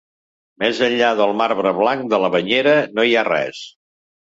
Més enllà del marbre blanc de la banyera no hi ha res.